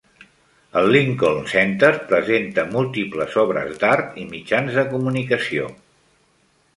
El Lincoln Center presenta múltiples obres d'art i mitjans de comunicació.